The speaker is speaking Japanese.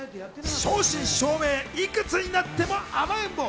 正真正銘「いくつになってもあまえんぼう」。